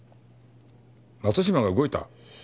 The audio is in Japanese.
松島が動いた？